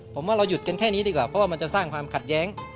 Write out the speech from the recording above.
ผมว่าเราหยุดกันแค่นี้ดีกว่าเพราะว่ามันจะสร้างความขัดแย้ง